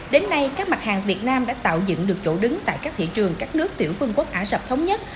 đến nay các mặt hàng việt nam đã tạo dựng được chỗ đứng tại các thị trường các nước tiểu vương quốc ả rập thống nhất